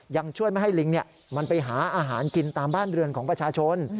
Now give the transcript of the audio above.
ยังช่วยไม่ให้ลิงมันไปหาอาหารกินตามบ้านเรือนของประชาชน